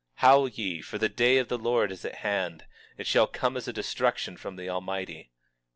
23:6 Howl ye, for the day of the Lord is at hand; it shall come as a destruction from the Almighty.